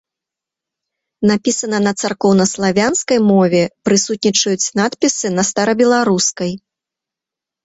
Напісана на царкоўнаславянскай мове, прысутнічаюць надпісы на старабеларускай.